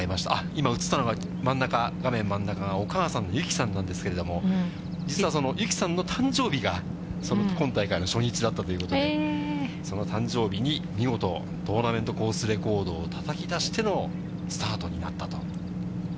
今、映ったのが、真ん中、画面真ん中がお母さんのゆきさんなんですけれども、実はゆきさんの誕生日が、今大会の初日だったということで、その誕生日に見事、トーナメントコースレコードをたたきだしてのスタートになったと。